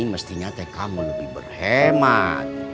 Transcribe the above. mestinya kamu lebih berhemat